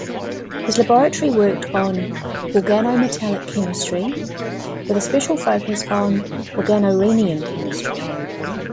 His laboratory worked on organometallic chemistry, with a special focus on organorhenium chemistry.